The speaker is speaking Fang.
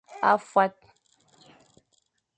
A fuat.